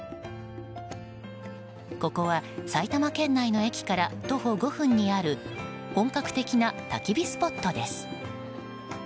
ここは埼玉県内の駅から徒歩５分にある本格的なたき火スポットです。